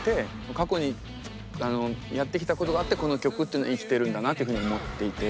過去にやってきたことがあってこの曲っていうのは生きてるんだなっていうふうに思っていて。